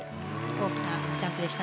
大きなジャンプでしたね。